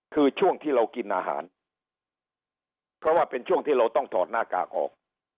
คือช่วงที่เรากินอาหารเพราะว่าเป็นช่วงที่เราต้องถอดหน้ากากออก